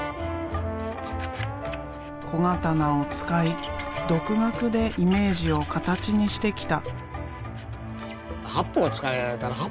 小刀を使い独学でイメージを形にしてきた。